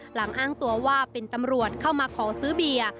หลังอ้างตัวว่าเป็นตำรวจเข้ามาขอซื้อเบียร์